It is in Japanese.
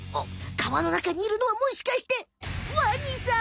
川のなかにいるのはもしかしてワニさん！